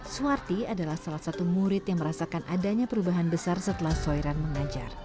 suwarti adalah salah satu murid yang merasakan adanya perubahan besar setelah soiran mengajar